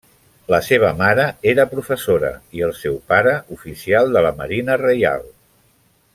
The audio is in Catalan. La seva mare era professora i el seu pare oficial de la Marina Reial.